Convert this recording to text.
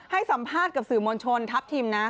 ให้สัมภาษณ์กับสื่อมวลชนทัพทิมนะ